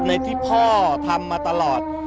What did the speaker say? ในที่พ่อทำมาตลอด